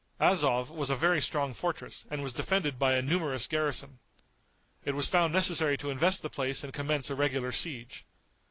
Azov was a very strong fortress and was defended by a numerous garrison. It was found necessary to invest the place and commence a regular siege.